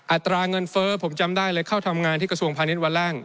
อัตราเงินเฟ้อผมจำได้เลยเข้าทำงานที่กระทรวงพาณิชย์วันล่าง